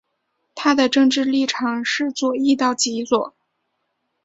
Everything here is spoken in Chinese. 它的政治立场是左翼到极左。